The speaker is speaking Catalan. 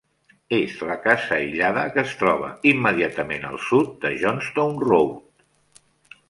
És la casa aïllada que es troba immediatament al sud de Johnstone Road.